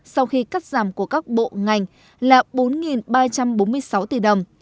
sau khi cắt giảm của các bộ ngành là bốn ba trăm bốn mươi sáu tỷ đồng